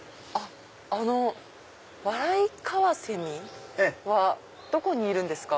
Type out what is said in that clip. あのワライカワセミはどこにいるんですか？